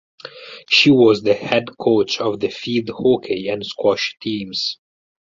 She was the head coach of the field hockey and squash teams.